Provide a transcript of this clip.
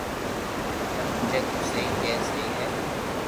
پر ھمجي تو سھي ڪي سھي ھي